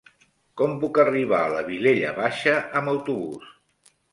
Com puc arribar a la Vilella Baixa amb autobús?